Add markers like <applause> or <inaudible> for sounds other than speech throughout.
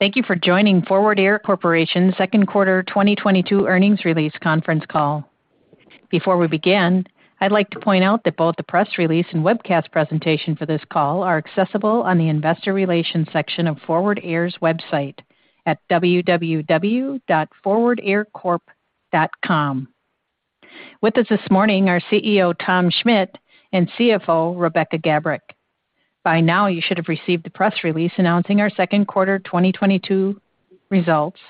Thank you for joining Forward Air Corporation's second quarter 2022 earnings release conference call. Before we begin, I'd like to point out that both the press release and webcast presentation for this call are accessible on the investor relations section of Forward Air's website at www.forwardaircorp.com. With us this morning, our CEO, Tom Schmitt, and CFO, Rebecca Garbrick. By now, you should have received the press release announcing our second quarter 2022 results,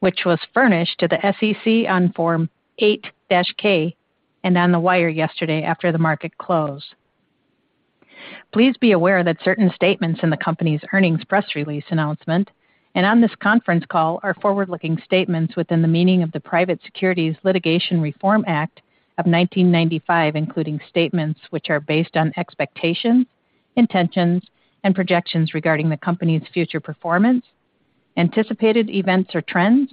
which was furnished to the SEC on Form 8-K and on the wire yesterday after the market closed. Please be aware that certain statements in the company's earnings press release announcement and on this conference call are forward-looking statements within the meaning of the Private Securities Litigation Reform Act of 1995, including statements which are based on expectations, intentions, and projections regarding the company's future performance, anticipated events or trends,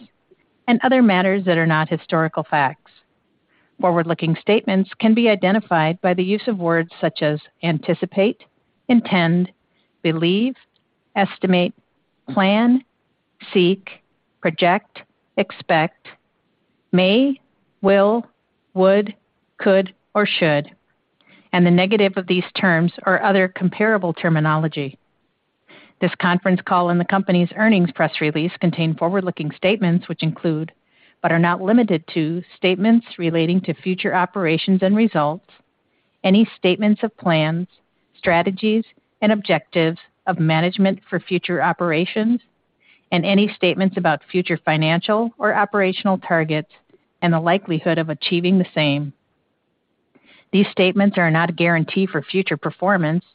and other matters that are not historical facts. Forward-looking statements can be identified by the use of words such as "anticipate," "intend," "believe," "estimate," "plan," "seek," "project," "expect," "may," "will," "would," "could," or "should," and the negative of these terms or other comparable terminology. This conference call and the company's earnings press release contain forward-looking statements which include, but are not limited to, statements relating to future operations and results, any statements of plans, strategies, and objectives of management for future operations, and any statements about future financial or operational targets and the likelihood of achieving the same. These statements are not a guarantee for future performance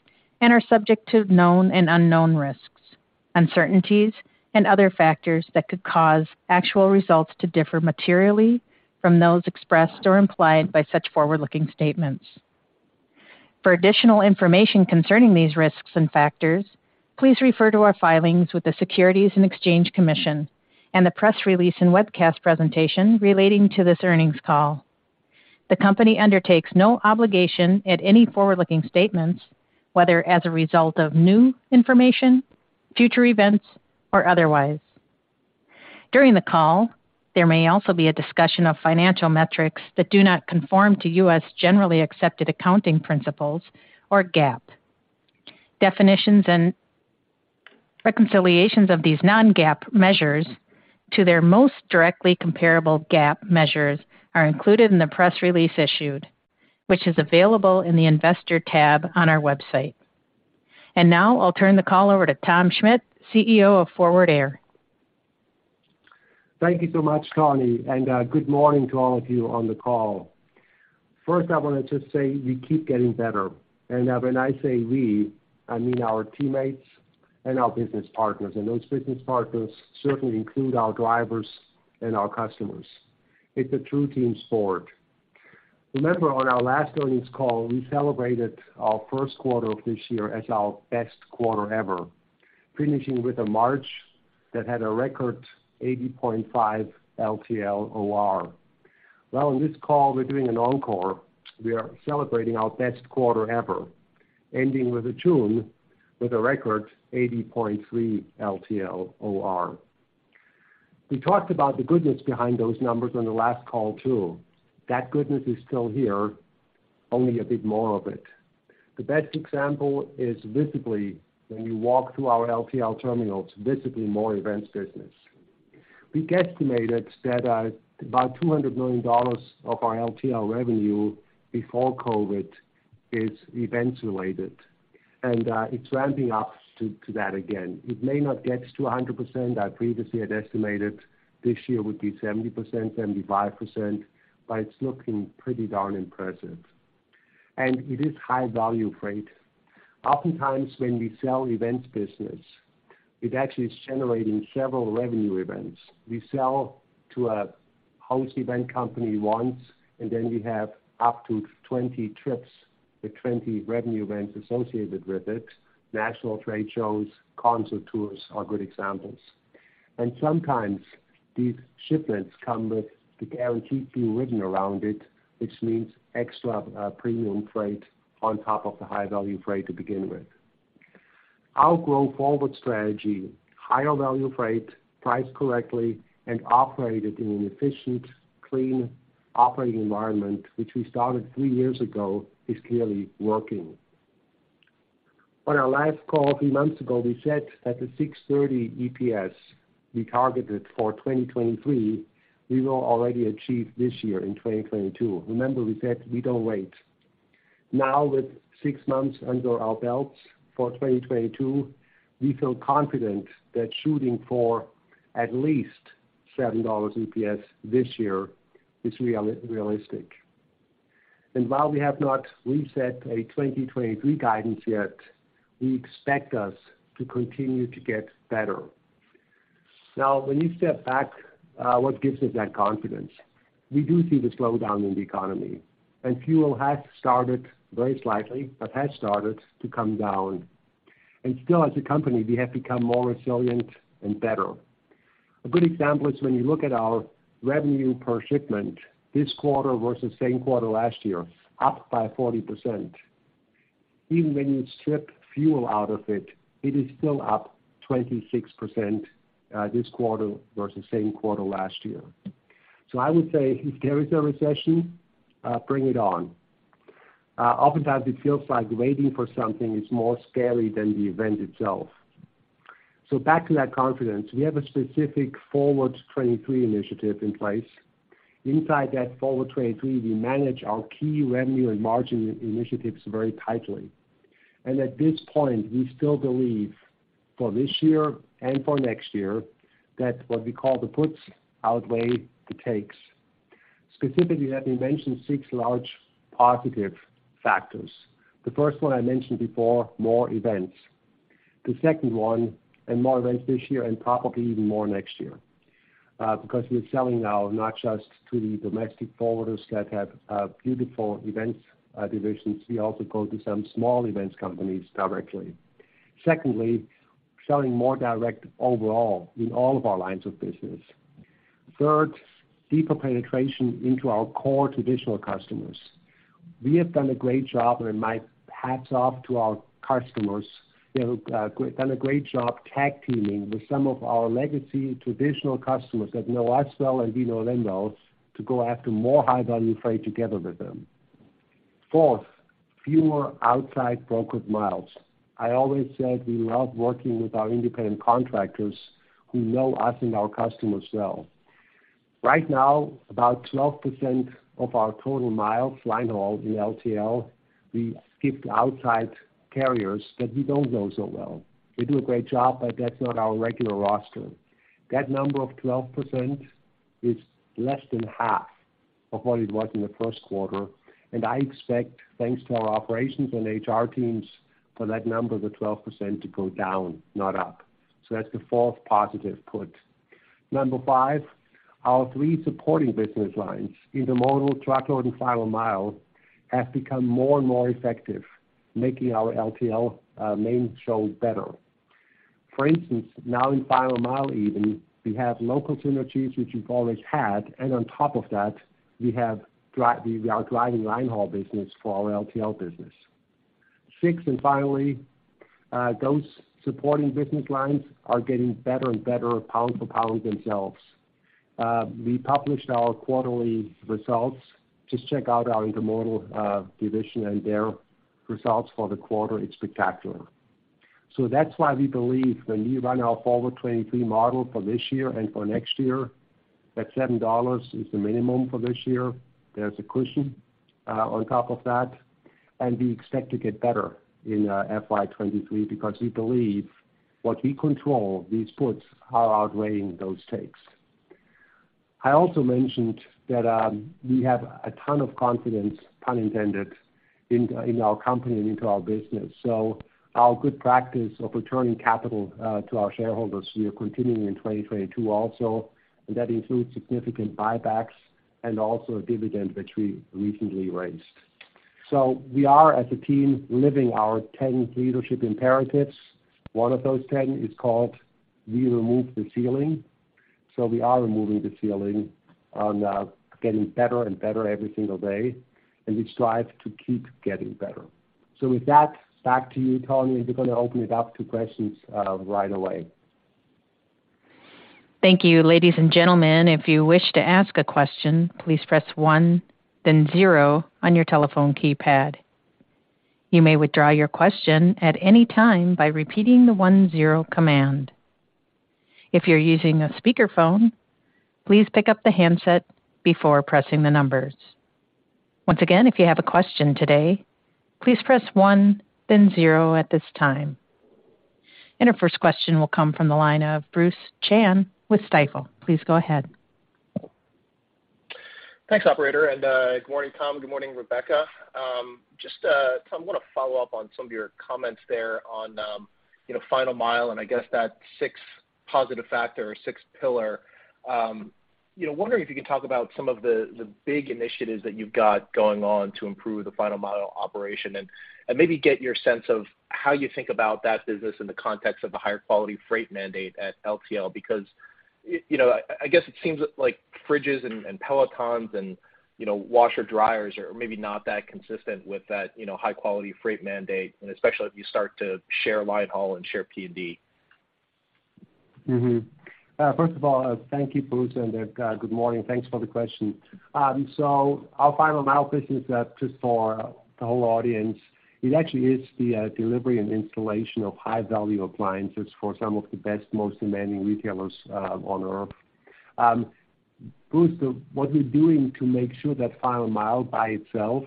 and are subject to known and unknown risks, uncertainties, and other factors that could cause actual results to differ materially from those expressed or implied by such forward-looking statements. For additional information concerning these risks and factors, please refer to our filings with the Securities and Exchange Commission and the press release and webcast presentation relating to this earnings call. The company undertakes no obligation to update any forward-looking statements, whether as a result of new information, future events, or otherwise. During the call, there may also be a discussion of financial metrics that do not conform to U.S. generally accepted accounting principles, or GAAP. Definitions and reconciliations of these non-GAAP measures to their most directly comparable GAAP measures are included in the press release issued, which is available in the Investor tab on our website. Now I'll turn the call over to Tom Schmitt, CEO of Forward Air. Thank you so much, Connie, and good morning to all of you on the call. First, I want to just say we keep getting better. When I say we, I mean our teammates and our business partners, and those business partners certainly include our drivers and our customers. It's a true team sport. Remember, on our last earnings call, we celebrated our first quarter of this year as our best quarter ever, finishing with a March that had a record 80.5% LTL OR. Well, in this call, we're doing an encore. We are celebrating our best quarter ever, ending with June, with a record 80.3% LTL OR. We talked about the goodness behind those numbers on the last call too. That goodness is still here, only a bit more of it. The best example is visibly when you walk through our LTL terminals, visibly more events business. We guesstimated that about $200 million of our LTL revenue before COVID is events related, and it's ramping up to that again. It may not get to 100%. I previously had estimated this year would be 70%, 75%, but it's looking pretty darn impressive. It is high-value freight. Oftentimes when we sell events business, it actually is generating several revenue events. We sell to a host event company once, and then we have up to 20 trips with 20 revenue events associated with it. National trade shows, concert tours are good examples. Sometimes these shipments come with the guaranteed fee written around it, which means extra premium freight on top of the high-value freight to begin with. Our growth forward strategy, higher value freight priced correctly and operated in an efficient, clean operating environment, which we started three years ago, is clearly working. On our last call a few months ago, we said that the $6.30 EPS we targeted for 2023, we will already achieve this year in 2022. Remember we said we don't wait. Now, with 6 months under our belts for 2022, we feel confident that shooting for at least $7 EPS this year is realistic. While we have not reset a 2023 guidance yet, we expect us to continue to get better. Now, when you step back, what gives us that confidence? We do see the slowdown in the economy, and fuel has started very slightly, but has started to come down. Still, as a company, we have become more resilient and better. A good example is when you look at our revenue per shipment this quarter versus same quarter last year, up by 40%. Even when you strip fuel out of it is still up 26%, this quarter versus same quarter last year. I would say if there is a recession, bring it on. Oftentimes it feels like waiting for something is more scary than the event itself. Back to that confidence. We have a specific Forward 2023 initiative in place. Inside that Forward 2023, we manage our key revenue and margin initiatives very tightly. At this point, we still believe for this year and for next year that what we call the puts outweigh the takes. Specifically, let me mention six large positive factors. The first one I mentioned before, more events. The second one, more events this year and probably even more next year, because we're selling now not just to the domestic forwarders that have beautiful events divisions, we also go to some small events companies directly. Secondly, selling more direct overall in all of our lines of business. Third, deeper penetration into our core traditional customers. We have done a great job, and my hats off to our customers. They have done a great job tag teaming with some of our legacy traditional customers that know us well and we know them well to go after more high-value freight together with them. Fourth, fewer outside brokered miles. I always said we love working with our independent contractors who know us and our customers well. Right now, about 12% of our total miles line haul in LTL, we skipped outside carriers that we don't know so well. They do a great job, but that's not our regular roster. That number of 12% is less than half of what it was in the first quarter, and I expect, thanks to our operations and HR teams, for that number, the 12%, to go down, not up. That's the fourth positive point. Number five, our three supporting business lines, intermodal, truckload, and final mile, have become more and more effective, making our LTL main show better. For instance, now in final mile even, we have local synergies which we've always had, and on top of that, we are driving line haul business for our LTL business. Sixth, and finally, those supporting business lines are getting better and better pound for pound themselves. We published our quarterly results. Just check out our intermodal division and their results for the quarter. It's spectacular. That's why we believe when we run our Forward 2023 model for this year and for next year, that $7 is the minimum for this year. There's a cushion on top of that, and we expect to get better in FY 2023 because we believe what we control, these puts, are outweighing those takes. I also mentioned that we have a ton of confidence, pun intended, in our company and into our business. Our good practice of returning capital to our shareholders, we are continuing in 2022 also, and that includes significant buybacks and also a dividend which we recently raised. We are, as a team, living our 10 leadership imperatives. One of those 10 is called We Remove the Ceiling. We are removing the ceiling on getting better and better every single day, and we strive to keep getting better. With that, back to you, [Connie]. We're going to open it up to questions, right away. Thank you. Ladies and gentlemen, if you wish to ask a question, please press one then zero on your telephone keypad. You may withdraw your question at any time by repeating the one zero command. If you're using a speakerphone, please pick up the handset before pressing the numbers. Once again, if you have a question today, please press one then zero at this time. Our first question will come from the line of Bruce Chan with Stifel. Please go ahead. Thanks, operator. Good morning, Tom. Good morning, Rebecca. Just, Tom, want to follow up on some of your comments there on, you know, final mile and I guess that sixth positive factor or sixth pillar. You know, wondering if you can talk about some of the big initiatives that you've got going on to improve the final mile operation and maybe get your sense of how you think about that business in the context of the higher quality freight mandate at LTL. Because, you know, I guess it seems like fridges and Pelotons and, you know, washer dryers are maybe not that consistent with that, you know, high-quality freight mandate, and especially if you start to share line haul and share P&D. First of all, thank you, Bruce, and good morning. Thanks for the question. Our final mile business, just for the whole audience, it actually is the delivery and installation of high-value appliances for some of the best, most demanding retailers on Earth. Bruce, what we're doing to make sure that final mile by itself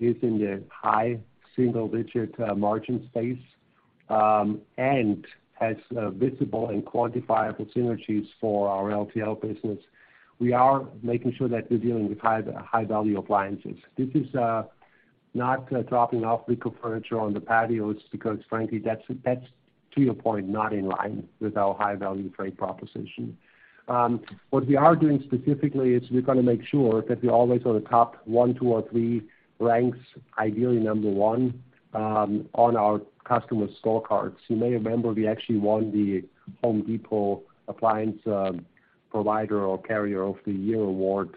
is in the high single-digit margin space and has visible and quantifiable synergies for our LTL business. We are making sure that we're dealing with high-value appliances. This is not dropping off wicker furniture on the patios because frankly, that's, to your point, not in line with our high-value freight proposition. What we are doing specifically is we're going to make sure that we're always on the top one, two, or three ranks, ideally number one, on our customer scorecards. You may remember we actually won The Home Depot appliance provider or carrier of the year award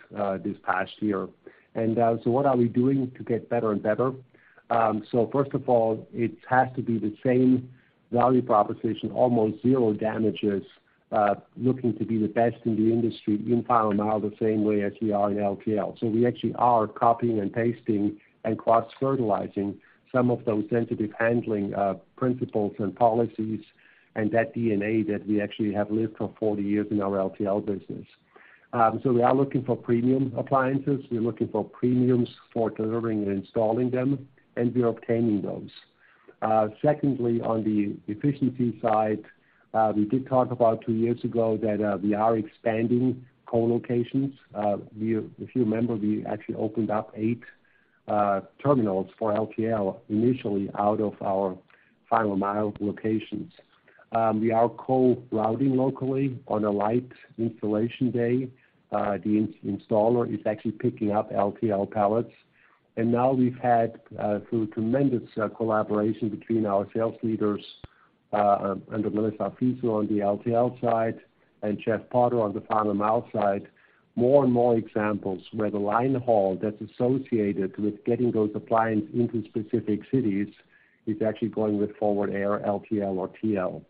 this past year. What are we doing to get better and better? First of all, it has to be the same value proposition, almost zero damages, looking to be the best in the industry in final mile the same way as we are in LTL. We actually are copying and pasting and cross-fertilizing some of those sensitive handling principles and policies and that DNA that we actually have lived for 40 years in our LTL business. We are looking for premium appliances. We're looking for premiums for delivering and installing them, and we're obtaining those. Secondly, on the efficiency side, we did talk about two years ago that we are expanding co-locations. If you remember, we actually opened up eight terminals for LTL, initially out of our final mile locations. We are co-routing locally on a light installation day. The installer is actually picking up LTL pallets. Now we've had, through tremendous collaboration between our sales leaders, under Melissa Friesz on the LTL side and Jeff Potter on the final mile side, more and more examples where the line haul that's associated with getting those appliances into specific cities is actually going with Forward Air, LTL or TL.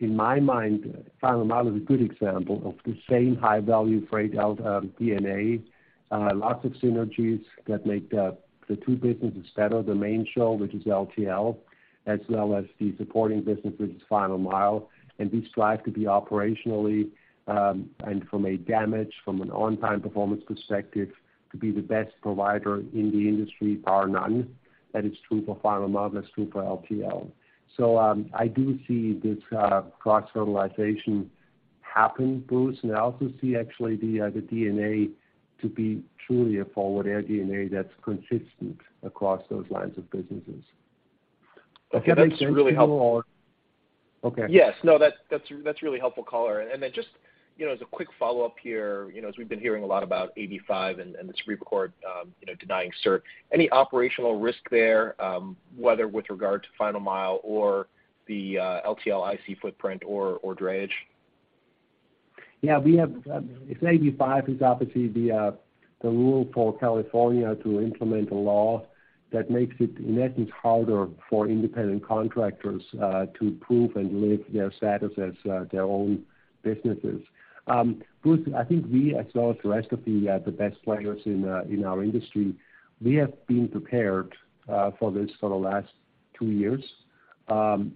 In my mind, final mile is a good example of the same high-value Freight DNA, lots of synergies that make the two businesses better, the main show, which is LTL, as well as the supporting business, which is final mile. We strive to be operationally, and from a damage, from an on-time performance perspective, to be the best provider in the industry, bar none. That is true for final mile. That's true for LTL. I do see this, cross-fertilization happen, Bruce, and I also see actually the DNA to be truly a Forward Air DNA that's consistent across those lines of businesses. Okay. That's really helpful. Okay. Yes. No, that's really helpful, color. Just, you know, as a quick follow-up here, you know, as we've been hearing a lot about AB5 and the Supreme Court, you know, denying cert, any operational risk there, whether with regard to final mile or the LTL IC footprint or drayage? Yeah. We have. AB5 is obviously the rule for California to implement a law that makes it in essence harder for independent contractors to prove and live their status as their own businesses. Bruce, I think we, as well as the rest of the best players in our industry, we have been prepared for this for the last two years. We know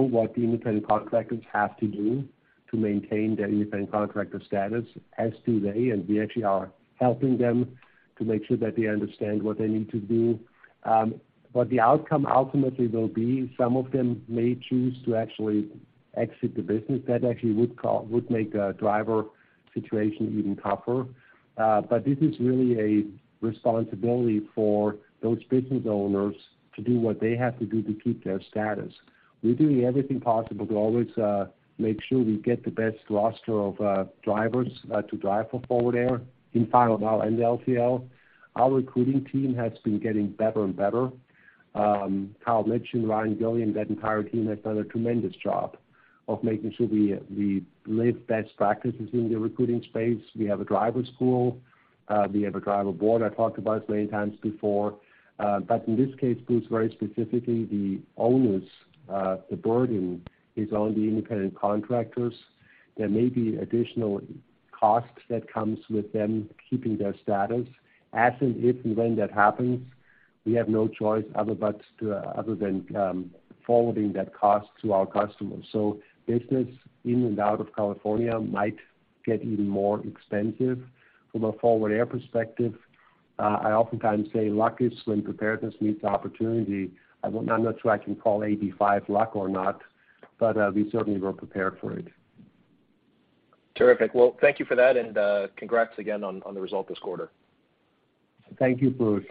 what the independent contractors have to do to maintain their independent contractor status, as do they. We actually are helping them to make sure that they understand what they need to do. The outcome ultimately will be some of them may choose to actually exit the business. That actually would make a driver situation even tougher. This is really a responsibility for those business owners to do what they have to do to keep their status. We're doing everything possible to always make sure we get the best roster of drivers to drive for Forward Air in final mile and LTL. Our recruiting team has been getting better and better. Kyle Mitchin and Ryan Gillian, that entire team has done a tremendous job of making sure we live best practices in the recruiting space. We have a driver school. We have a driver board I talked about many times before. In this case, Bruce, very specifically, the owners, the burden is on the independent contractors. There may be additional costs that comes with them keeping their status. If and when that happens, we have no choice other than forwarding that cost to our customers. Business in and out of California might get even more expensive from a Forward Air perspective. I oftentimes say luck is when preparedness meets opportunity. I'm not sure I can call AB5 luck or not, but we certainly were prepared for it. Terrific. Well, thank you for that and, congrats again on the result this quarter. Thank you, Bruce.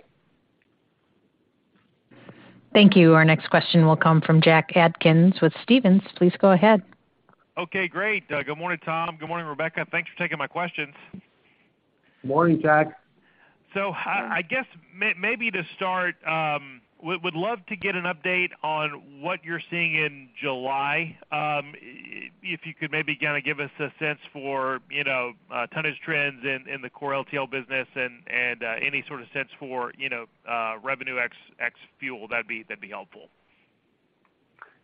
Thank you. Our next question will come from Jack Atkins with Stephens. Please go ahead. Okay, great. Good morning, Tom. Good morning, Rebecca. Thanks for taking my questions. Morning, Jack. I guess maybe to start, would love to get an update on what you're seeing in July. If you could maybe kind of give us a sense for, you know, tonnage trends in the core LTL business and any sort of sense for, you know, revenue ex fuel, that'd be helpful.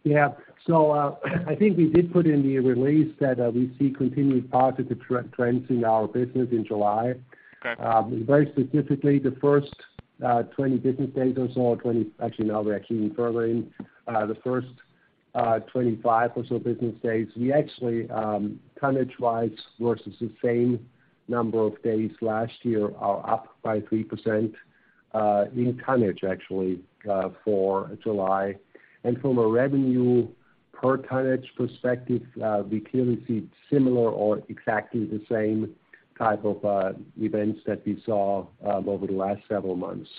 I think we did put in the release that we see continued positive trends in our business in July. Okay. Very specifically, the first 20 business days or so, actually, now we are further in, the first 25 or so business days, we actually tonnage wise versus the same number of days last year are up by 3% in tonnage actually for July. From a revenue per tonnage perspective, we clearly see similar or exactly the same type of events that we saw over the last several months.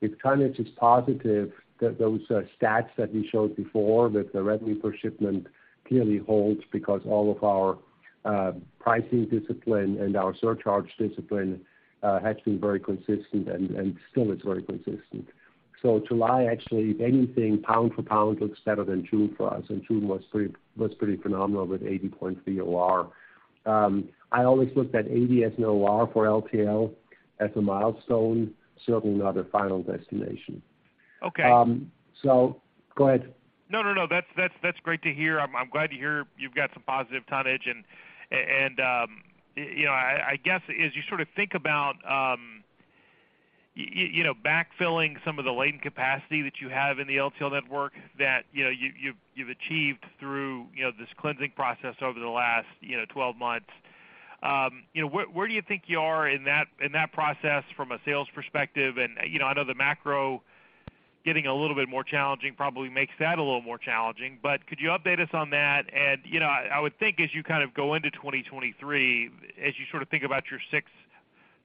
If tonnage is positive, those stats that we showed before with the revenue per shipment clearly holds because all of our pricing discipline and our surcharge discipline has been very consistent and still is very consistent. July, actually, if anything, pound for pound looks better than June for us, and June was pretty phenomenal with 80.3 OR. I always looked at 80 as an OR for LTL as a milestone, certainly not a final destination. Okay. Go ahead. No. That's great to hear. I'm glad to hear you've got some positive tonnage. You know, I guess as you sort of think about you know backfilling some of the latent capacity that you have in the LTL network that you know you've achieved through you know this cleansing process over the last 12 months, you know where do you think you are in that process from a sales perspective? You know, I know the macro getting a little bit more challenging probably makes that a little more challenging, but could you update us on that? You know, I would think as you kind of go into 2023, as you sort of think about your six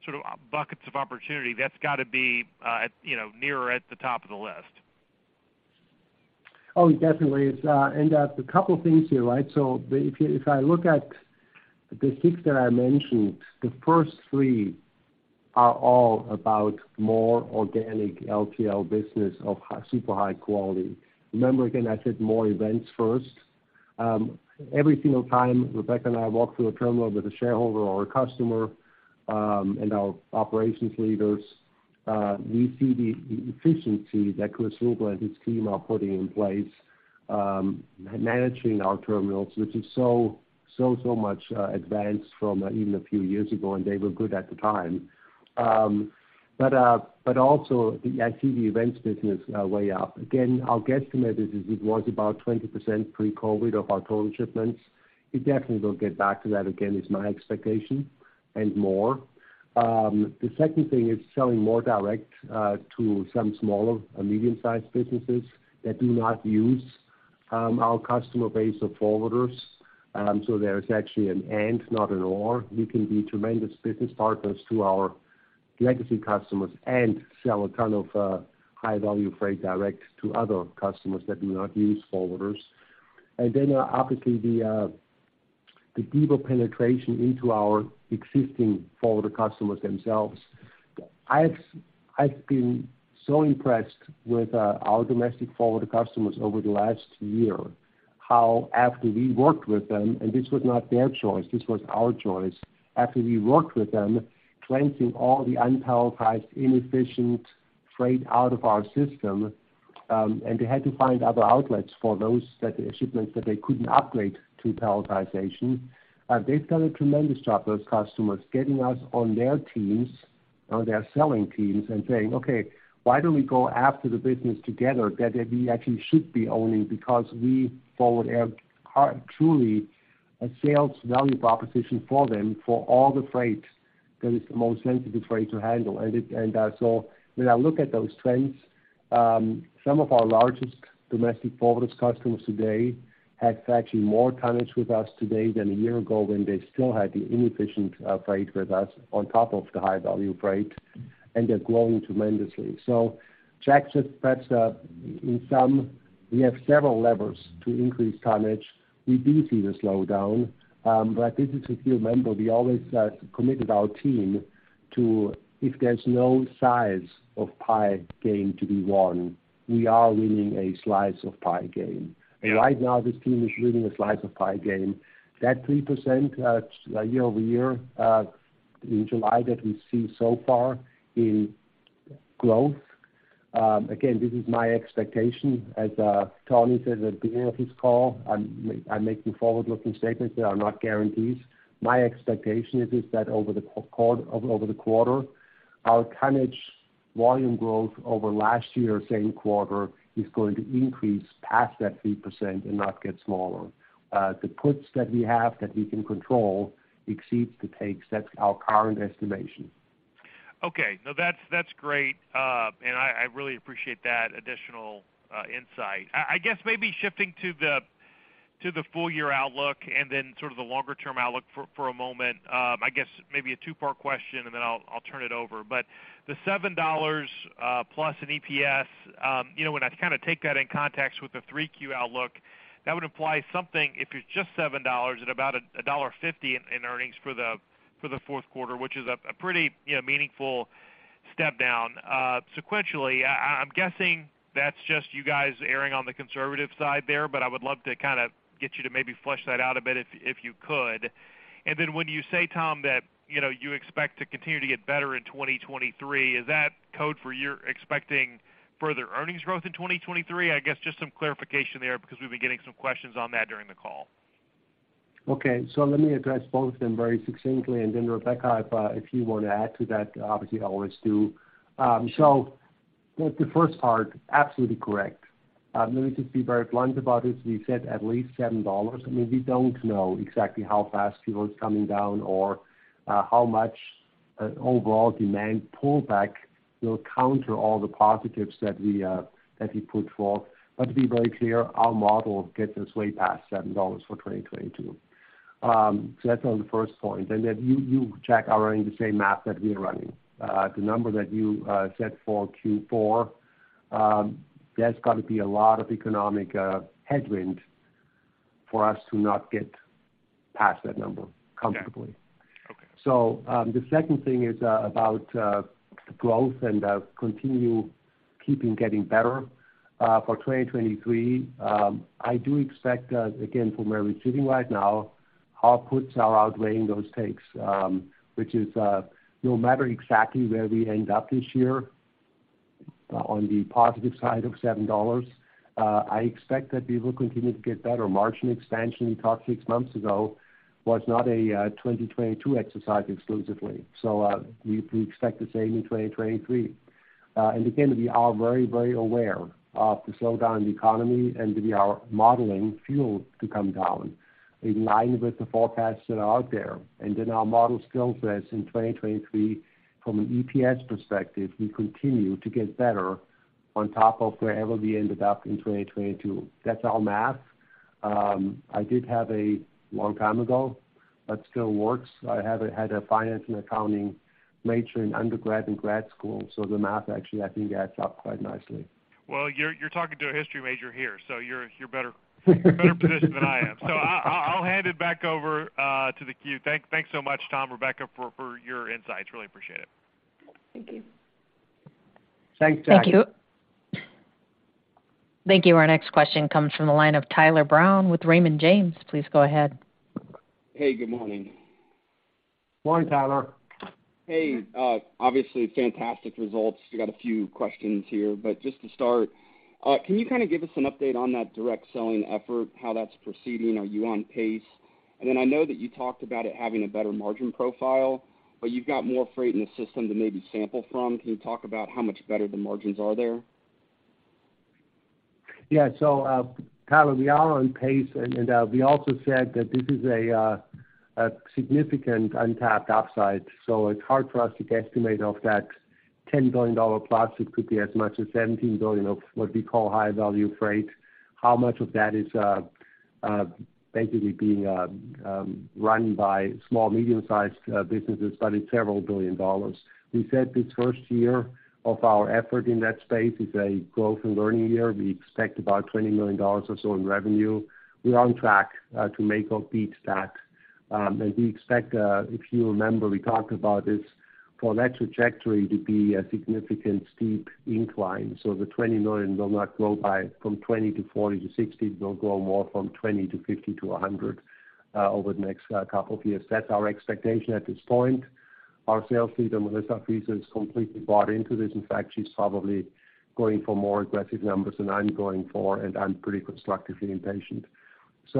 sort of buckets of opportunity, that's got to be, you know, near or at the top of the list. Oh, definitely. It's and a couple things here, right? If I look at the six that I mentioned, the first three are all about more organic LTL business of super high quality. Remember, again, I said more events first. Every single time Rebecca and I walk through a terminal with a shareholder or a customer, and our operations leaders, we see the efficiency that Chris Ruble and his team are putting in place, managing our terminals, which is so much advanced from even a few years ago, and they were good at the time. But also I see the events business way up. Again, our guesstimate is it was about 20% pre-COVID of our total shipments. It definitely will get back to that again, is my expectation, and more. The second thing is selling more direct to some small or medium-sized businesses that do not use our customer base of forwarders. There is actually an and, not an or. We can be tremendous business partners to our legacy customers and sell a ton of high-value freight direct to other customers that do not use forwarders. Obviously the deeper penetration into our existing forwarder customers themselves. I've been so impressed with our domestic forwarder customers over the last year, how after we worked with them, and this was not their choice, this was our choice. After we worked with them, cleansing all the unpalletized, inefficient freight out of our system, and they had to find other outlets for those shipments that they couldn't upgrade to palletization. They've done a tremendous job, those customers, getting us on their teams, on their selling teams and saying, "Okay, why don't we go after the business together that we actually should be owning?" Because Forward Air are truly a sales value proposition for them, for all the freight that is the most sensitive freight to handle. When I look at those trends, some of our largest domestic forwarders customers today have actually more tonnage with us today than a year ago when they still had the inefficient freight with us on top of the high-value freight, and they're growing tremendously. Jack, that's in sum, we have several levers to increase tonnage. We do see the slowdown. I think if you remember, we always committed our team to if there's no size of pie game to be won, we are winning a slice of pie game. Right now, this team is winning a slice of pie game. That 3%, year-over-year, in July that we see so far in growth, again, this is my expectation. As Tony said at the beginning of his call, I'm making forward-looking statements. They are not guarantees. My expectation is that over the quarter, our tonnage volume growth over last year's same quarter is going to increase past that 3% and not get smaller. The puts that we have that we can control exceeds the takes. That's our current estimation. Okay. No, that's great. I really appreciate that additional insight. I guess maybe shifting to the full-year outlook and then sort of the longer-term outlook for a moment. I guess maybe a two-part question, and then I'll turn it over. The $7+ in EPS, you know, when I kind of take that in context with the 3Q outlook, that would imply something, if it's just $7 at about a $1.50 in earnings for the fourth quarter, which is a pretty, you know, meaningful step down sequentially. I'm guessing that's just you guys erring on the conservative side there, but I would love to kind of get you to maybe flesh that out a bit if you could. when you say, Tom, that, you know, you expect to continue to get better in 2023, is that code for you're expecting further earnings growth in 2023? I guess just some clarification there because we've been getting some questions on that during the call. Okay. Let me address both of them very succinctly, and then Rebecca, if you want to add to that, obviously always do. The first part, absolutely correct. Let me just be very blunt about this. We said at least $7. I mean, we don't know exactly how fast fuel is coming down or how much overall demand pullback will counter all the positives that we put forth. To be very clear, our model gets us way past $7 for 2022. That's on the first point. Then you, Jack, are running the same math that we are running. The number that you said for Q4, there's got to be a lot of economic headwinds for us to not get past that number comfortably. Yeah. Okay. The second thing is about growth and continuing to get better for 2023. I do expect again from where we're sitting right now outlooks are outweighing those takes, which is no matter exactly where we end up this year on the positive side of $7. I expect that we will continue to get better. Margin expansion we talked six months ago was not a 2022 exercise exclusively. We expect the same in 2023. Again we are very, very aware of the slowdown in the economy, and we are modeling fuel to come down in line with the forecasts that are out there. Our model still says in 2023, from an EPS perspective, we continue to get better on top of wherever we ended up in 2022. That's our math. I did have a long time ago, but still works. I have had a finance and accounting major in undergrad and grad school, so the math actually, I think, adds up quite nicely. Well, you're talking to a history major here, so you're in a better position than I am. I'll hand it back over to the queue. Thanks so much, Tom, Rebecca, for your insights. Really appreciate it. Thank you. Thanks, Jack. Thank you. Our next question comes from the line of Tyler Brown with Raymond James. Please go ahead. Hey, good morning. Morning, Tyler. Hey, obviously fantastic results. We got a few questions here, but just to start, can you kind of give us an update on that direct selling effort, how that's proceeding? Are you on pace? I know that you talked about it having a better margin profile, but you've got more freight in the system to maybe sample from. Can you talk about how much better the margins are there? Yeah. Tyler, we are on pace. We also said that this is a significant untapped upside. It's hard for us to estimate of that $10 billion plus. It could be as much as $17 billion of what we call high value freight. How much of that is basically being run by small, medium-sized businesses, but it's several billion dollars. We said this first year of our effort in that space is a growth and learning year. We expect about $20 million or so in revenue. We're on track to make or beat that. We expect, if you remember, we talked about this for that trajectory to be a significant steep incline. The $20 million will not grow by from $20 million to $40 million to $60 million. It will grow more from $20 million to $50 million to $100 million over the next couple of years. That's our expectation at this point. Our sales leader, Melissa Friesz, has completely bought into this. In fact, she's probably going for more aggressive numbers than I'm going for, and I'm pretty constructively impatient. It's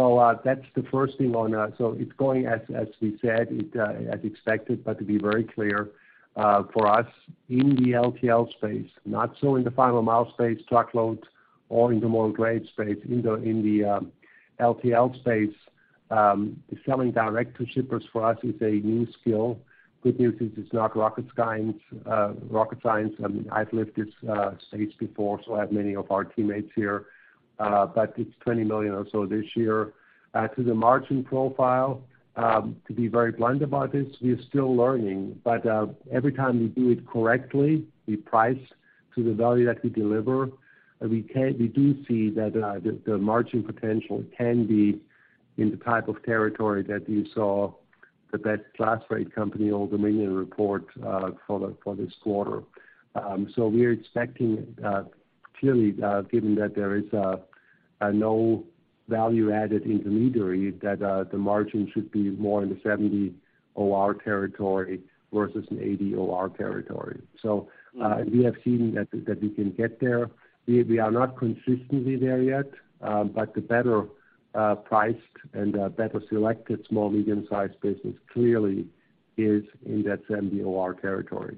going as we said, as expected. To be very clear, for us in the LTL space, not so in the final mile space, truckload or in the drayage space. In the LTL space, selling direct to shippers for us is a new skill. Good news is it's not rocket science. I mean, I've lived this stage before, so have many of our teammates here, but it's $20 million or so this year. To the margin profile, to be very blunt about this, we are still learning. Every time we do it correctly, we price to the value that we deliver. We do see that the margin potential can be in the type of territory that you saw the best-in-class freight company or Old Dominion report for this quarter. We're expecting, clearly, given that there is no value-added intermediary, that the margin should be more in the 70 OR territory versus an 80 OR territory. We have seen that we can get there. We are not consistently there yet, but the better priced and better selected small, medium-sized business clearly is in that 70 OR territory.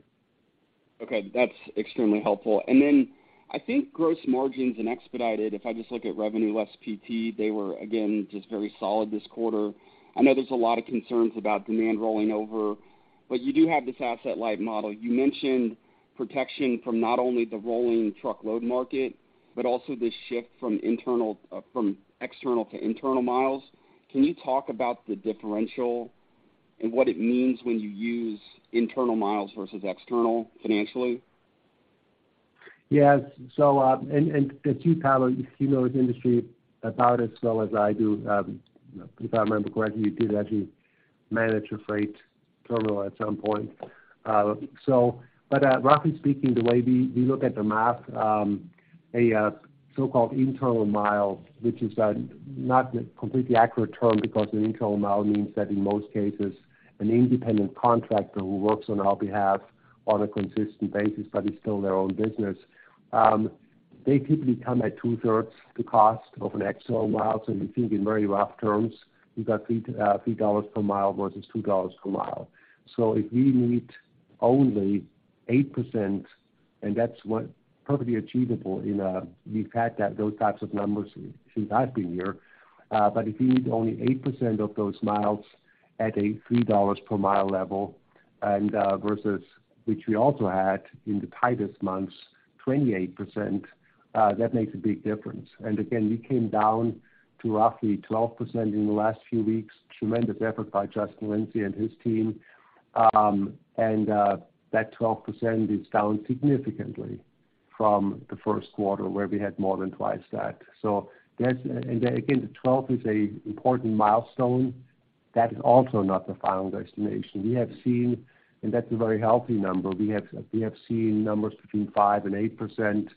Okay. That's extremely helpful. Then I think gross margins and expedited, if I just look at revenue less PT, they were again, just very solid this quarter. I know there's a lot of concerns about demand rolling over, but you do have this asset-light model. You mentioned protection from not only the rolling truckload market, but also the shift from external to internal miles. Can you talk about the differential and what it means when you use internal miles versus external financially? Yes. And the two towers, you know this industry about as well as I do, if I remember correctly, you did actually manage a freight terminal at some point. Roughly speaking, the way we look at the math, so-called internal mile, which is not a completely accurate term because an internal mile means that in most cases an independent contractor who works on our behalf on a consistent basis, but it's still their own business. They typically come at 2/3 the cost of an external mile. If you think in very rough terms, you've got $3 per mile versus $2 per mile. If we meet only 8%, and that's what probably achievable in a, we've had that, those types of numbers since I've been here. If you need only 8% of those miles at a $3 per mile level and versus which we also had in the tightest months, 28%, that makes a big difference. Again, we came down to roughly 12% in the last few weeks. Tremendous effort by Justin Lindsay and his team. That 12% is down significantly from the first quarter where we had more than twice that. That's and again, the 12 is an important milestone. That is also not the final destination. We have seen and that's a very healthy number. We have seen numbers between 5% and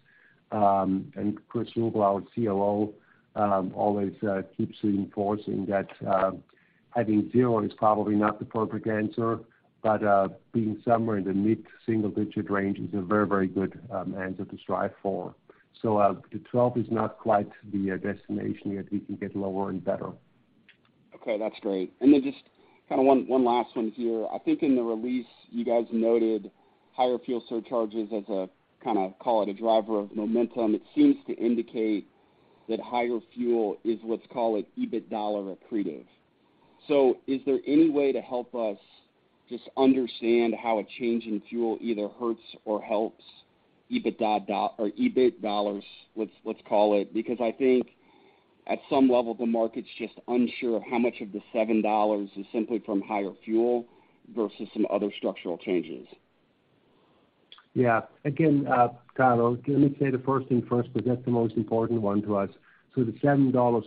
8%, and Chris Ruble, our COO, always keeps reinforcing that having zero is probably not the perfect answer, but being somewhere in the mid-single digit range is a very, very good answer to strive for. The 12% is not quite the destination yet. We can get lower and better. Okay, that's great. Just kind of one last one here. I think in the release you guys noted higher fuel surcharges as a kind of call it a driver of momentum. It seems to indicate that higher fuel is let's call it EBIT dollar accretive. Is there any way to help us just understand how a change in fuel either hurts or helps EBITDA or EBIT dollars, let's call it? Because I think at some level, the market's just unsure of how much of the $7 is simply from higher fuel versus some other structural changes. Yeah. Again, Tyler, let me say the first thing first, because that's the most important one to us. The $7+,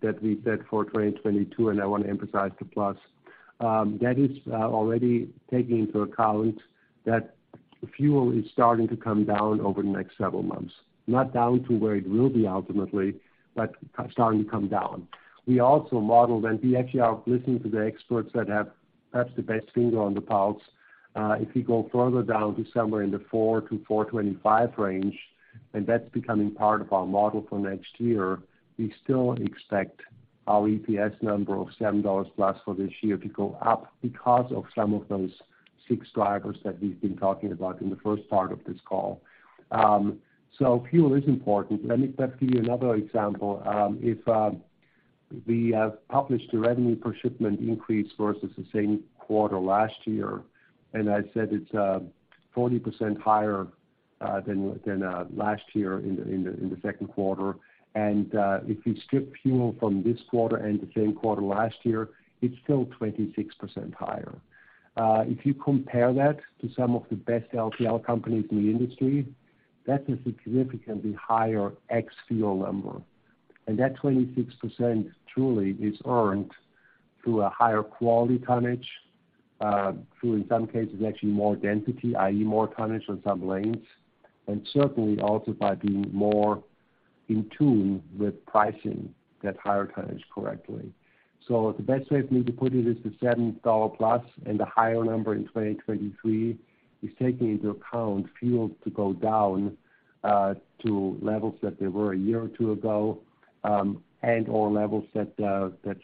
that we said for 2022, and I want to emphasize the plus, that is already taking into account that fuel is starting to come down over the next several months. Not down to where it will be ultimately, but starting to come down. We also modeled, and we actually are listening to the experts that have perhaps the best finger on the pulse. If you go further down to somewhere in the four to 4.25 range, and that's becoming part of our model for next year, we still expect our EPS number of $7+ for this year to go up because of some of those six drivers that we've been talking about in the first part of this call. Fuel is important. Let me give you another example. If we have published the revenue per shipment increase versus the same quarter last year, and I said it's 40% higher than last year in the second quarter. If you strip fuel from this quarter and the same quarter last year, it's still 26% higher. If you compare that to some of the best LTL companies in the industry, that is a significantly higher ex-fuel number. That 26% truly is earned through a higher quality tonnage, through in some cases, actually more density, i.e. more tonnage on some lanes, and certainly also by being more in tune with pricing that higher tonnage correctly. The best way for me to put it is the $7 plus and the higher number in 2023 is taking into account fuel to go down, to levels that they were a year or two ago, and or levels that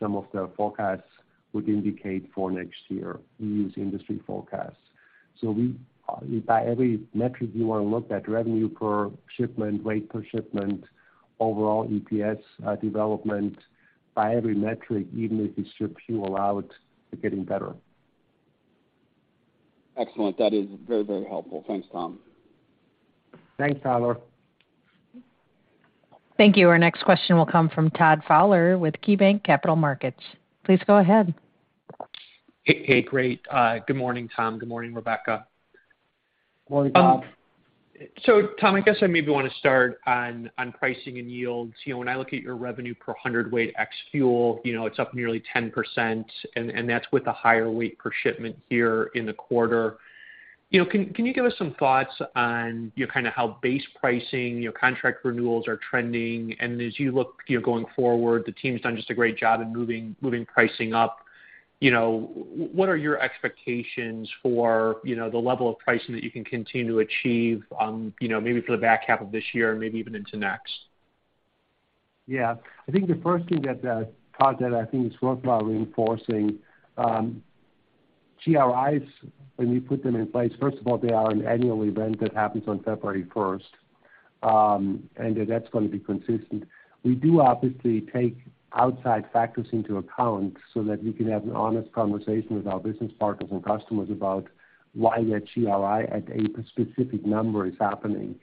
some of the forecasts would indicate for next year. We use industry forecasts. We, by every metric you want to look at, revenue per shipment, weight per shipment, overall EPS, development by every metric, even if you strip fuel out, we're getting better. Excellent. That is very, very helpful. Thanks, Tom. Thanks, Tyler. Thank you. Our next question will come from Todd Fowler with KeyBanc Capital Markets. Please go ahead. Hey. Great. Good morning, Tom. Good morning, Rebecca. Morning, Todd. Tom, I guess I maybe want to start on pricing and yields. You know, when I look at your revenue per hundredweight ex-fuel, you know, it's up nearly 10%. That's with a higher weight per shipment here in the quarter. You know, can you give us some thoughts on, you know, kind of how base pricing, you know, contract renewals are trending? As you look, you know, going forward, the team's done just a great job in moving pricing up. You know, what are your expectations for, you know, the level of pricing that you can continue to achieve on, you know, maybe for the back half of this year or maybe even into next? Yeah. I think the first thing, Todd, that I think is worthwhile reinforcing GRIs. When you put them in place, first of all, they are an annual event that happens on February first and that's going to be consistent. We do obviously take outside factors into account so that we can have an honest conversation with our business partners and customers about why their GRI at a specific number is happening.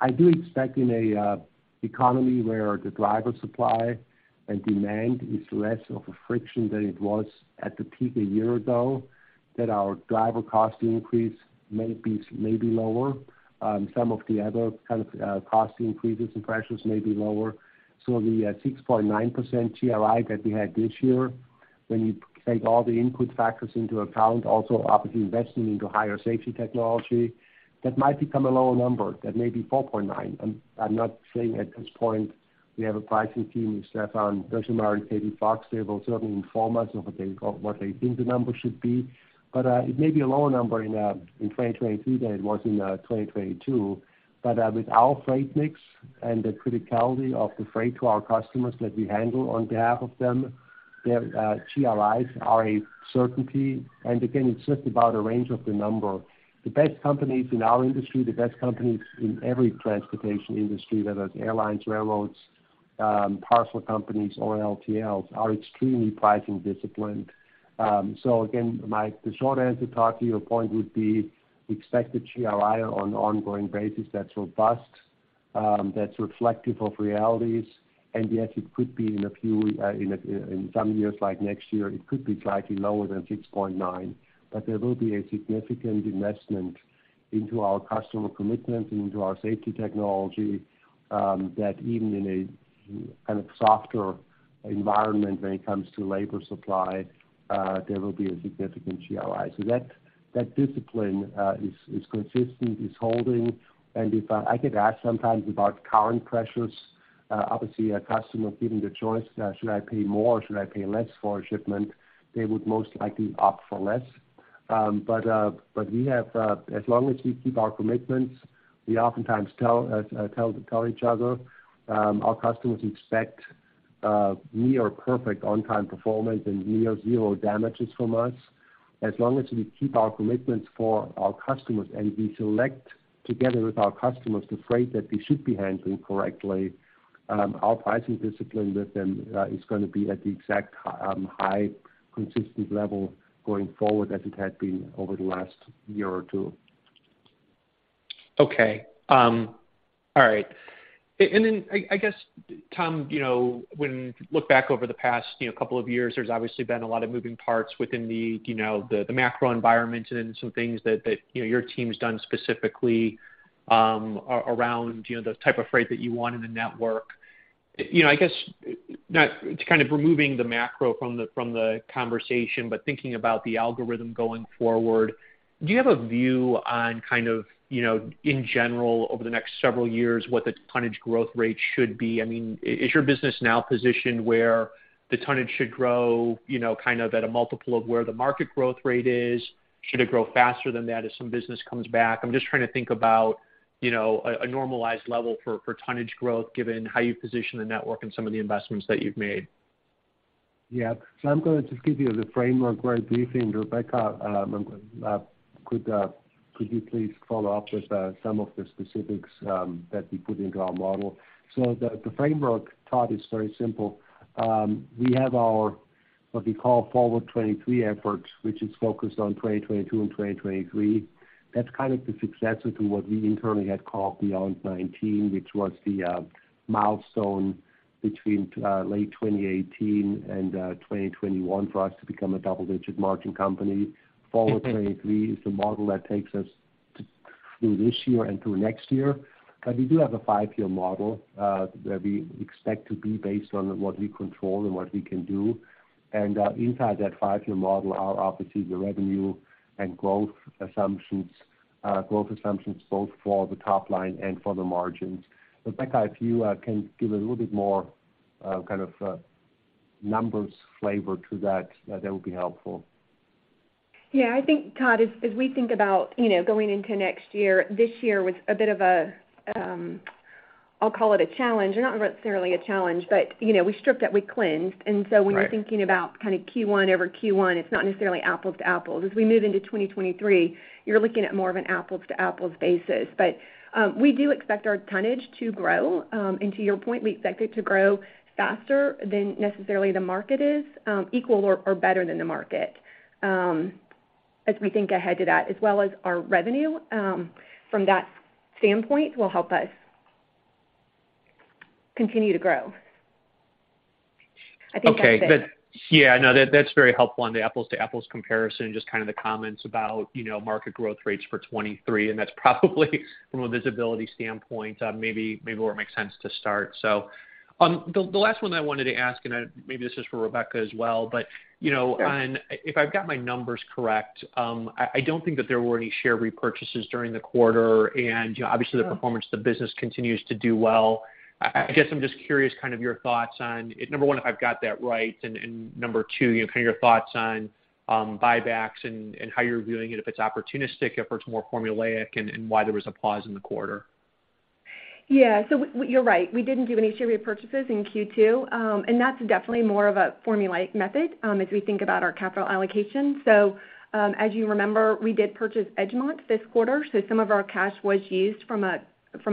I do expect in a economy where the driver supply and demand is less of a friction than it was at the peak a year ago that our driver cost increase may be lower. Some of the other kind of cost increases and pressures may be lower. The 6.9% GRI that we had this year, when you take all the input factors into account, also obviously investing into higher safety technology, that might become a lower number. That may be 4.9%. I'm not saying at this point we have a pricing team with Stefan, Benjamin, and Katie Fox. They will certainly inform us of what they think the number should be. It may be a lower number in 2023 than it was in 2022. With our freight mix and the criticality of the freight to our customers that we handle on behalf of them, their GRIs are a certainty. Again, it's just about a range of the number. The best companies in our industry, the best companies in every transportation industry, whether it's airlines, railroads, parcel companies or LTLs, are extremely pricing disciplined. Again, the short answer, Todd, to your point would be we expect a GRI on ongoing basis that's robust. That's reflective of realities. Yes, it could be in a few, in some years like next year, it could be slightly lower than 6.9%. There will be a significant investment into our customer commitment, into our safety technology, that even in a kind of softer environment when it comes to labor supply, there will be a significant GRI. That discipline is consistent, is holding. If I get asked sometimes about current pressures, obviously a customer given the choice, should I pay more or should I pay less for a shipment, they would most likely opt for less. We have, as long as we keep our commitments, we oftentimes tell each other, our customers expect near-perfect on-time performance and near-zero damages from us. As long as we keep our commitments for our customers and we select together with our customers the freight that we should be handling correctly, our pricing discipline with them is gonna be at the exact high consistent level going forward as it had been over the last year or two. Okay. All right. I guess, Tom, you know, when look back over the past, you know, couple of years, there's obviously been a lot of moving parts within the, you know, the macro environment and some things that you know, your team's done specifically around, you know, the type of freight that you want in the network. You know, I guess not to kind of removing the macro from the conversation, but thinking about the algorithm going forward, do you have a view on kind of, you know, in general over the next several years, what the tonnage growth rate should be? I mean, is your business now positioned where the tonnage should grow, you know, kind of at a multiple of where the market growth rate is? Should it grow faster than that as some business comes back? I'm just trying to think about, you know, a normalized level for tonnage growth given how you position the network and some of the investments that you've made. Yeah. I'm going to just give you the framework very briefly. Rebecca, could you please follow up with some of the specifics that we put into our model. The framework, Todd, is very simple. We have our, what we call Forward 2023 efforts, which is focused on 2022 and 2023. That's kind of the successor to what we internally had called Beyond 2019, which was the milestone between late 2018 and 2021 for us to become a double-digit margin company. Forward 2023 is the model that takes us through this year and through next year. We do have a five-year model that we expect to be based on what we control and what we can do. Inside that five-year model are obviously the revenue and growth assumptions both for the top line and for the margins. Rebecca, if you can give a little bit more kind of numbers flavor to that would be helpful. Yeah, I think Todd, as we think about, you know, going into next year, this year was a bit of a, I'll call it a challenge, or not necessarily a challenge, but, you know, we stripped it, we cleansed. Right. When you're thinking about kind of Q1 over Q1, it's not necessarily apples to apples. As we move into 2023, you're looking at more of an apples to apples basis. We do expect our tonnage to grow. And to your point, we expect it to grow faster than necessarily the market is, equal or better than the market, as we think ahead to that, as well as our revenue from that standpoint will help us continue to grow. I think that's it. Okay. Yeah, no, that's very helpful on the apples to apples comparison, just kind of the comments about, you know, market growth rates for 2023, and that's probably from a visibility standpoint, maybe where it makes sense to start. The last one I wanted to ask, and maybe this is for Rebecca as well. You know- Sure. If I've got my numbers correct, I don't think that there were any share repurchases during the quarter. You know, obviously the performance of the business continues to do well. I guess I'm just curious kind of your thoughts on, number one, if I've got that right. And number two, you know, kind of your thoughts on buybacks and how you're viewing it, if it's opportunistic, if it's more formulaic, and why there was a pause in the quarter. Yeah. You're right. We didn't do any share repurchases in Q2. That's definitely more of a formulaic method as we think about our capital allocation. As you remember, we did purchase Edgmont this quarter, so some of our cash was used from a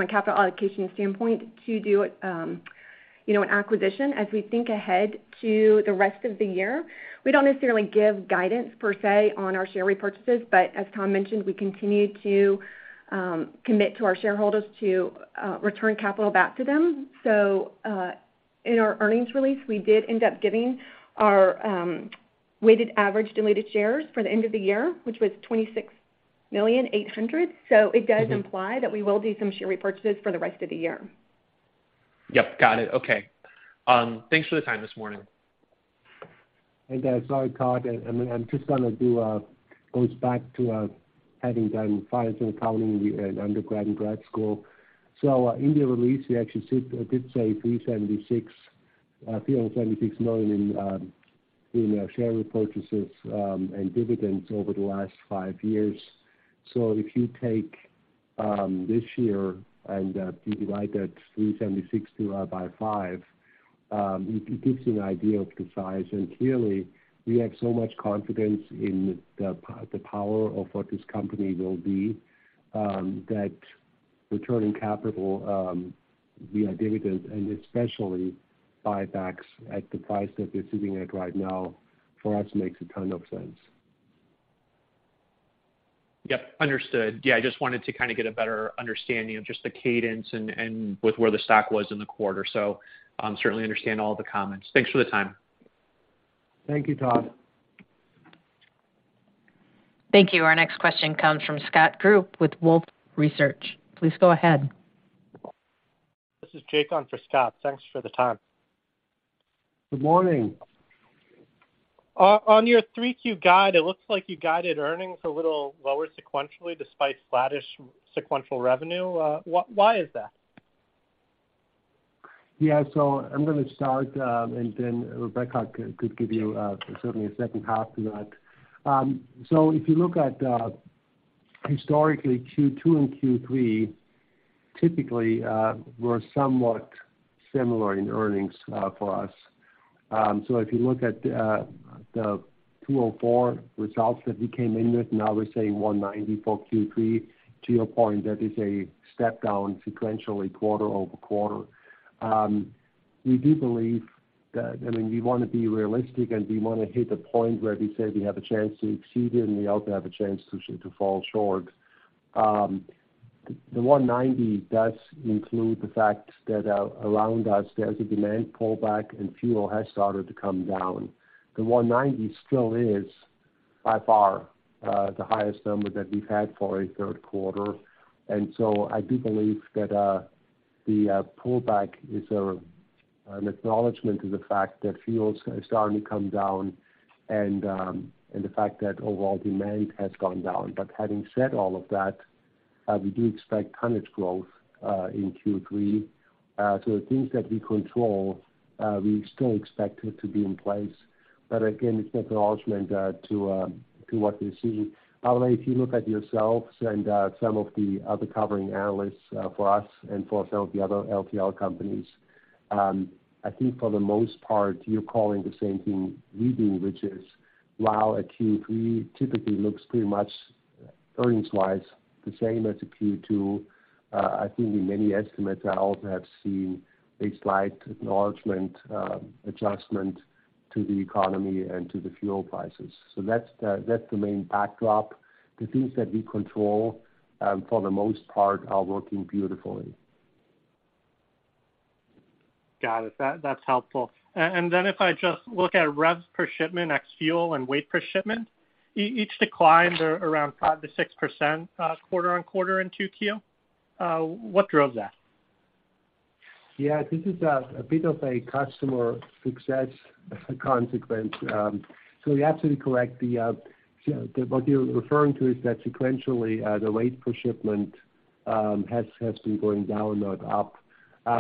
capital allocation standpoint to do, you know, an acquisition. As we think ahead to the rest of the year, we don't necessarily give guidance per se on our share repurchases. As Tom mentioned, we continue to commit to our shareholders to return capital back to them. In our earnings release, we did end up giving our weighted average diluted shares for the end of the year, which was 26.8 million. It does imply that we will do some share repurchases for the rest of the year. Yep, got it. Okay. Thanks for the time this morning. Sorry, Todd. I'm just gonna go back to having done finance and accounting in undergrad and grad school. In the release, we actually did say $376 million in share repurchases and dividends over the last five years. If you take this year and divide that 376 by 5, it gives you an idea of the size. Clearly, we have so much confidence in the power of what this company will be that returning capital via dividends, and especially buybacks at the price that it's sitting at right now, for us makes a ton of sense. Yep, understood. Yeah, I just wanted to kind of get a better understanding of just the cadence and with where the stock was in the quarter. Certainly understand all the comments. Thanks for the time. Thank you, Todd. Thank you. Our next question comes from Scott Group with Wolfe Research. Please go ahead. This is Jake on for Scott. Thanks for the time. Good morning. On your 3Q guide, it looks like you guided earnings a little lower sequentially despite flattish sequential revenue. Why is that? I'm going to start, and then Rebecca could give you certainly a second half to that. If you look at historically Q2 and Q3 typically were somewhat similar in earnings for us. If you look at the $204 results that we came in with, now we're saying $190 for Q3. To your point, that is a step down sequentially quarter-over-quarter. We do believe that. I mean, we want to be realistic, and we want to hit a point where we say we have a chance to exceed it, and we also have a chance to fall short. The $190 does include the fact that around us there's a demand pullback and fuel has started to come down. The $190 still is by far the highest number that we've had for a third quarter. I do believe that the pullback is an acknowledgment to the fact that fuel's starting to come down and the fact that overall demand has gone down. Having said all of that, we do expect tonnage growth in Q3. The things that we control, we still expect it to be in place. Again, it's acknowledgment to what we see. By the way, if you look at yourselves and some of the other covering analysts for us and for some of the other LTL companies, I think for the most part you're calling the same thing we do, which is while a Q3 typically looks pretty much earnings-wise the same as a Q2, I think in many estimates I also have seen a slight acknowledgment adjustment to the economy and to the fuel prices. That's the main backdrop. The things that we control for the most part are working beautifully. Got it. That, that's helpful. If I just look at revs per shipment ex-fuel and weight per shipment, each declined around 5%-6%, quarter-over-quarter in 2Q. What drove that? Yeah. This is a bit of a customer success consequence. You're absolutely correct. What you're referring to is that sequentially, the weight per shipment has been going down, not up.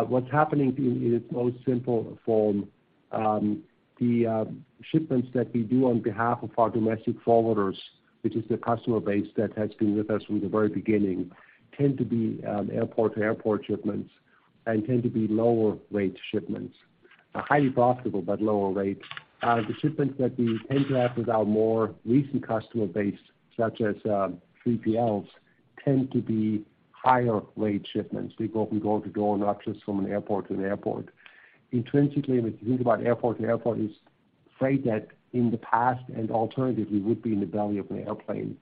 What's happening in its most simple form, the shipments that we do on behalf of our domestic forwarders, which is the customer base that has been with us from the very beginning, tend to be airport-to-airport shipments and tend to be lower rate shipments. Highly profitable but lower rate. The shipments that we tend to have with our more recent customer base, such as 3PLs, tend to be higher rate shipments. We go from door to door, not just from an airport to an airport. Intrinsically, when you think about airport to airport, is freight that in the past and alternatively would be in the belly of an airplane.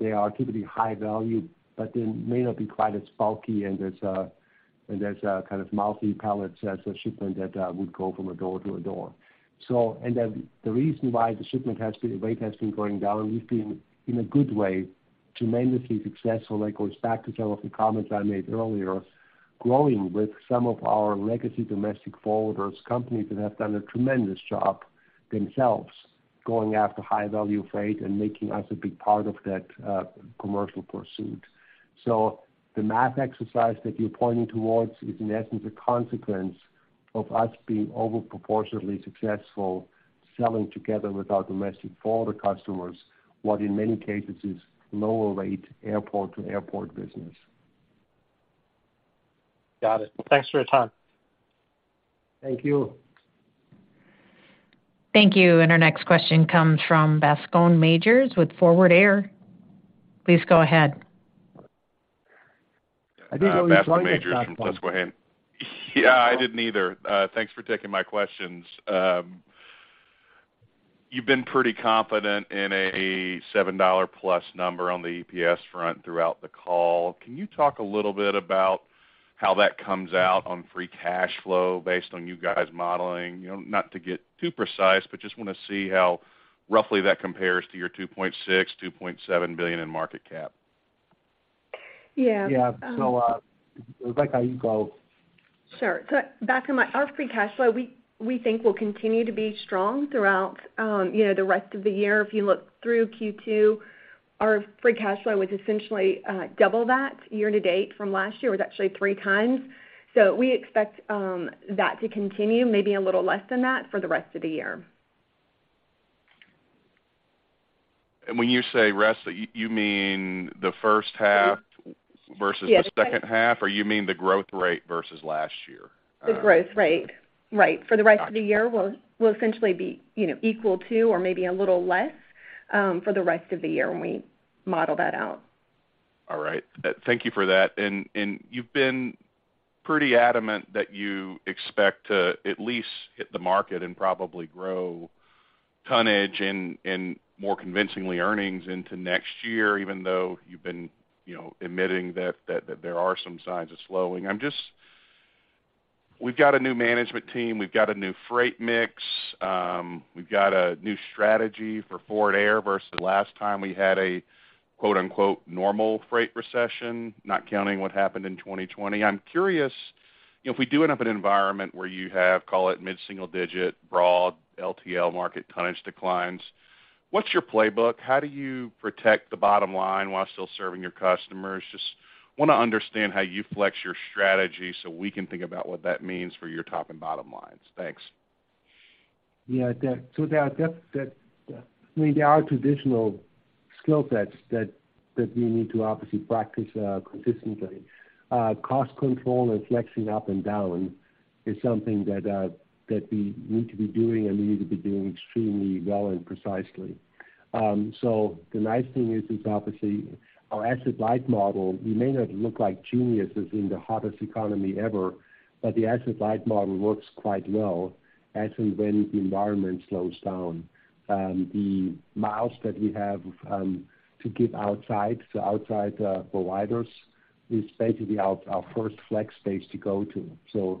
They are typically high value, but they may not be quite as bulky and as kind of multi pallets as a shipment that would go from a door to a door. The reason why the weight has been going down, we've been in a good way tremendously successful. That goes back to some of the comments I made earlier, growing with some of our legacy domestic forwarders, companies that have done a tremendous job themselves going after high value freight and making us a big part of that commercial pursuit. The math exercise that you're pointing towards is in essence a consequence of us being over proportionately successful selling together with our domestic forwarder customers what, in many cases, is lower rate airport-to-airport business. Got it. Thanks for your time. Thank you. Thank you. Our next question comes from Bascome Majors with Forward Air. Please go ahead. <crosstalk> Yeah, I didn't either. Thanks for taking my questions. You've been pretty confident in a $7+ number on the EPS front throughout the call. Can you talk a little bit about how that comes out on free cash flow based on you guys modeling? You know, not to get too precise, but just wanna see how roughly that compares to your $2.6 billion-$2.7 billion market cap Yeah. Rebecca, you go. Sure. Back to our free cash flow, we think will continue to be strong throughout the rest of the year. If you look through Q2, our free cash flow was essentially double that year-to-date from last year. It was actually three times. We expect that to continue maybe a little less than that for the rest of the year. When you say rest, you mean the first half versus the second half? Yeah. You mean the growth rate versus last year? The growth rate, right. For the rest of the year will essentially be, you know, equal to or maybe a little less for the rest of the year when we model that out. Right. Thank you for that. You've been pretty adamant that you expect to at least hit the market and probably grow tonnage and more convincingly earnings into next year, even though you've been, you know, admitting that there are some signs of slowing. We've got a new management team. We've got a new freight mix. We've got a new strategy for Forward Air versus the last time we had a, quote-unquote, "normal freight recession," not counting what happened in 2020. I'm curious, if we do end up in an environment where you have, call it mid-single digit broad LTL market tonnage declines, what's your playbook? How do you protect the bottom line while still serving your customers? Just wanna understand how you flex your strategy so we can think about what that means for your top and bottom lines. Thanks. I mean, there are traditional skill sets that we need to obviously practice consistently. Cost control and flexing up and down is something that we need to be doing, and we need to be doing extremely well and precisely. The nice thing is obviously our asset-light model, we may not look like geniuses in the hottest economy ever, but the asset-light model works quite well as and when the environment slows down. The miles that we have to give outside to outside providers is basically our first flex space to go to.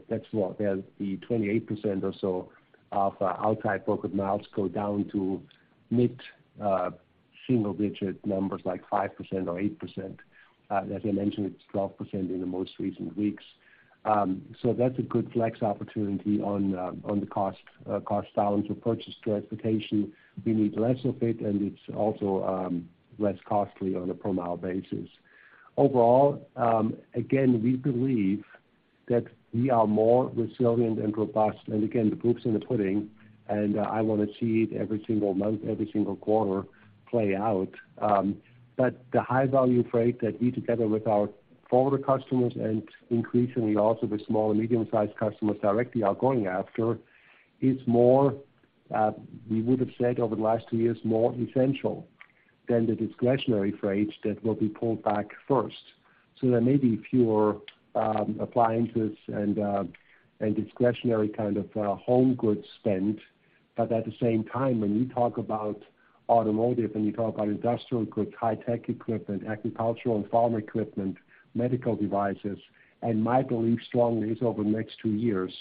That's what the 28% or so of outside broker miles go down to mid single-digit numbers like 5% or 8%. As I mentioned, it's 12% in the most recent weeks. That's a good flex opportunity on the cost down to purchase transportation. We need less of it, and it's also less costly on a per mile basis. Overall, again, we believe that we are more resilient and robust. Again, the proof's in the pudding, and I wanna see it every single month, every single quarter play out. The high value freight that we together with our forwarder customers and increasingly also the small and medium-sized customers directly are going after is more, we would've said over the last two years, more essential than the discretionary freight that will be pulled back first. There may be fewer appliances and discretionary kind of home goods spent. At the same time, when you talk about automotive and you talk about industrial goods, high tech equipment, agricultural and farm equipment, medical devices, and my belief strongly is over the next two years,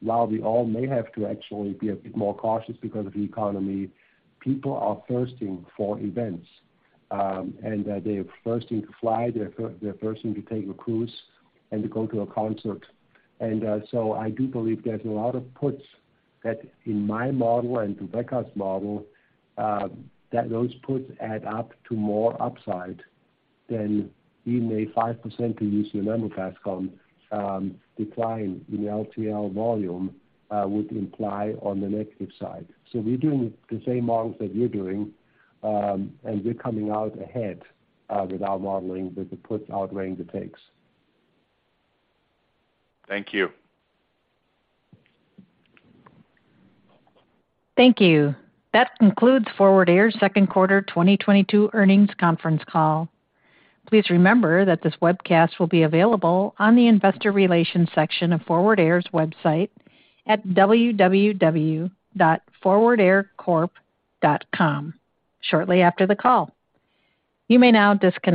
while we all may have to actually be a bit more cautious because of the economy, people are thirsting for events. They're thirsting to fly, they're thirsting to take a cruise and to go to a concert. I do believe there's a lot of puts that in my model and Rebecca's model, that those puts add up to more upside than in a 5%, to use your number, Bascome, decline in LTL volume, would imply on the negative side. We're doing the same models that you're doing, and we're coming out ahead, with our modeling with the puts outweighing the takes. Thank you. Thank you. That concludes Forward Air's second quarter 2022 earnings conference call. Please remember that this webcast will be available on the investor relations section of Forward Air's website at www.forwardaircorp.com shortly after the call. You may now disconnect.